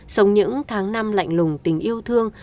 sống những tháng năm lạnh lùng tình yêu thương